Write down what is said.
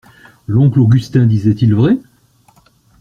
L'oncle Augustin disait-il vrai?